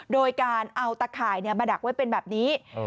โดยการเอาตะข่ายมาดักไว้เป็นแบบนี้